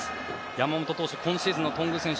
山本投手、今シーズンの頓宮選手